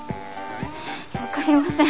分かりません。